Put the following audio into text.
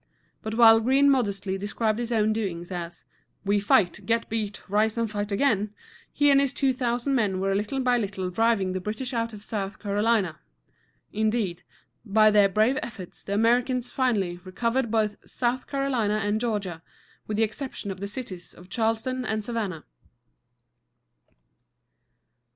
But while Greene modestly described his own doings as, "We fight, get beat, rise and fight again," he and his two thousand men were little by little driving the British out of South Carolina. Indeed, by their brave efforts the Americans finally recovered both South Carolina and Georgia, with the exception of the cities of Charleston and Savannah.